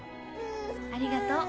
ありがとう。